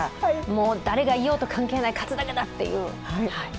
もう誰がいようと関係ない、勝つだけだという。